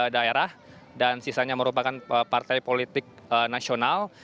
daerah dan sisanya merupakan partai politik nasional